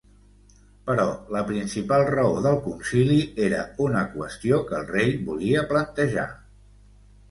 Però la principal raó del Concili era una qüestió que el rei volia plantejar.